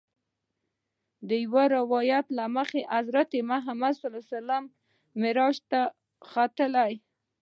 د یوه روایت له مخې حضرت محمد صلی الله علیه وسلم معراج ته ختلی.